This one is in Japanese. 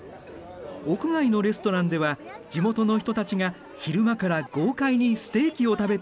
屋外のレストランでは地元の人たちが昼間から豪快にステーキを食べている。